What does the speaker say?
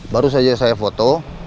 baru saja saya foto